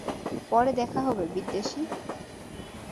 পরে দেখা হবে, বিদ্বেষী!